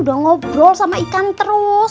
udah ngobrol sama ikan terus